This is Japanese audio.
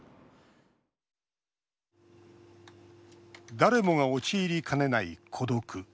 誰もが陥りかねない孤独。